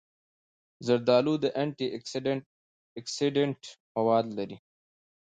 زردالو د انټي اکسېډنټ مواد لري.